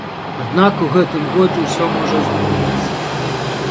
Аднак у гэтым годзе ўсё можа змяніцца.